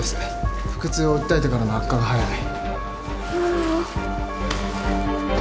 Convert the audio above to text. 腹痛を訴えてからの悪化が早い